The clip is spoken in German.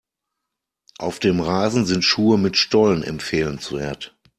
Auf dem Rasen sind Schuhe mit Stollen empfehlenswert.